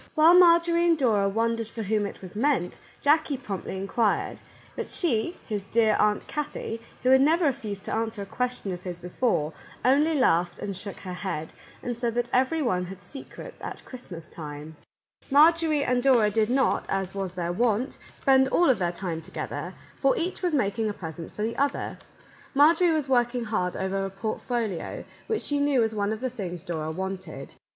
While Marjorie and Dora wondered for whom it was meant, Jackie promptly inquired, — but she, his dear Aunt Kathie, who had never refused to answer question of his before, only laughed and shook her head, and said that every one had secrets at Christmas time. Our Little Canadian Cousin 85 Marjorie and Dora did not, as was their wont, spend all of their time together, for each was making a present for the other. Marjorie was working hard over a portfolio, which she knew was one of the things Dora wanted.